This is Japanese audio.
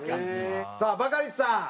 さあバカリさん。